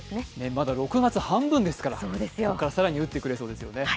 まだ６月半分ですから、これから更に打ってくれそうですよね。